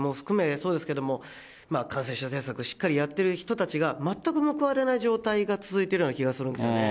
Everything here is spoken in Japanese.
そうですけれども、感染症対策をしっかりやっている人たちが全く報われない状態が続いてるような気がするんですよね。